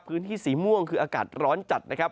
พื้นที่สีม่วงคืออากาศร้อนจัดนะครับ